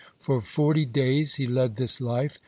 (102) For forty days (103) he led this life.